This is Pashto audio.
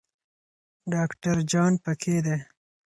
ډاکټر جان پکې دی.